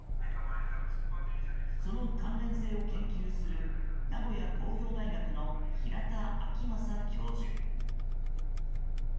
その関連性を研究する名古屋工業大学の平田晃正教授。